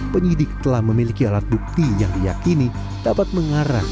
penyidik telah memiliki alat bukti yang diyakini dapat mengarah